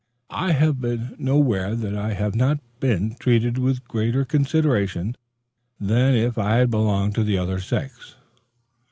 I have been nowhere that I have not been treated with greater consideration than if I had belonged to the other sex.